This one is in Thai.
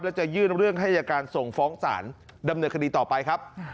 แล้วจะยื่นเรื่องให้อายการส่งฟ้องศาลดำเนินคดีต่อไปครับ